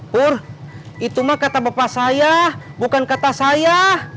pur itumah kata bapak saya bukan kata saya